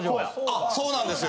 あそうなんですよ。